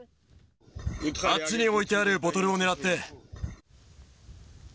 あっちに置いてあるボトルを狙って。